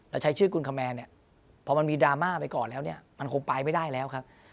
แล้วใช้ชื่อกุลคมแมนพอมันมีดราม่าไปก่อนแล้วมันคงปลายไม่ได้แล้วครับ